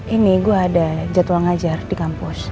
ini gue ada jadwal ngajar di kampus